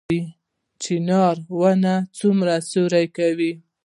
چنار ونه څومره سیوری کوي؟